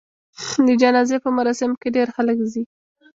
د جنازې په مراسمو کې ډېر خلک ځي.